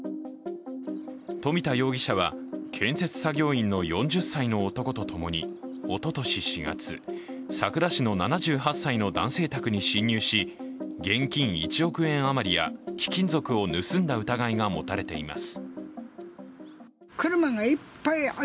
富田容疑者は建設作業員の４０歳の男とともにおととし４月、さくら市の７８歳の男性宅に侵入し、現金１億円余りや貴金属を盗んだ疑いが持たれています。